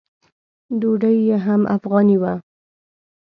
ډوډۍ یې هم افغاني وه.